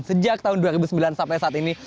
sejak tahun dua ribu sembilan sampai saat ini